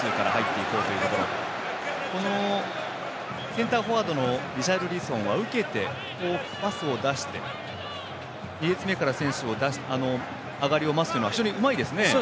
センターフォワードのリシャルリソンは受けて、パスを出して２列目から選手の上がりを待つのが非常にうまいですね。